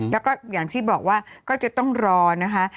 แล้วก็อย่างที่บอกว่าก็จะต้องรอนะคะ